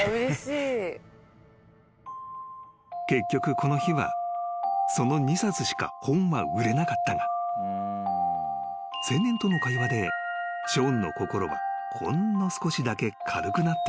［結局この日はその２冊しか本は売れなかったが青年との会話でショーンの心はほんの少しだけ軽くなっていた］